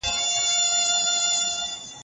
زه د خپلې روغتیا په ساتلو بوخت یم.